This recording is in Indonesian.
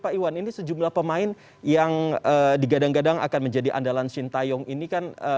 pak iwan ini sejumlah pemain yang digadang gadang akan menjadi andalan shin taeyong ini kan